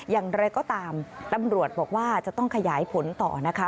อย่างไรก็ตามตำรวจบอกว่าจะต้องขยายผลต่อนะคะ